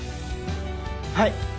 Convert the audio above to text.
はい。